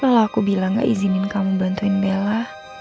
lalu aku bilang gak izinin kamu bantuin bella